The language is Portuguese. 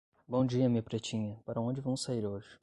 Bom dia minha pretinha, para onde vamos sair hoje?